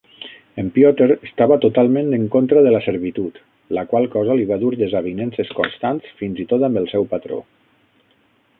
En Piotr estava totalment en contra de la servitud, la qual cosa li va dur desavinences constants fins i tot amb el seu patró.